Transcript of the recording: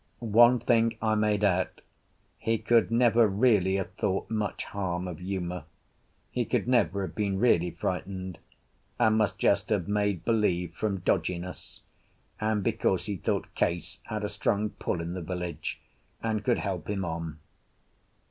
One thing I made out: he could never really have thought much harm of Uma; he could never have been really frightened, and must just have made believe from dodginess, and because he thought Case had a strong pull in the village and could help him on.